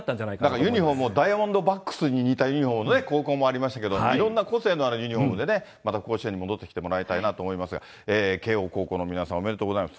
なんかユニホームもダイヤモンドバックスに似た高校もありましたけど、いろんな個性のあるユニホームでね、また甲子園に戻ってきてもらいたいなと思いますが、慶応高校の皆さんおめでとうございます。